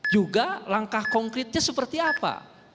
juga langkah konkretnya seperti apa